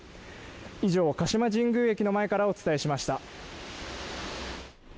以上、鹿島神宮駅の前からお伝えしました。